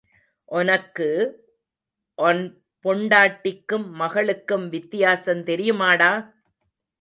ஒனக்கு ஒன் பொண்டாட்டிக்கும், மகளுக்கும் வித்தியாசம் தெரியுமாடா?